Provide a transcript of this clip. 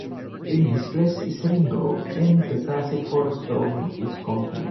In his place is Ringo, and the classic foursome is complete.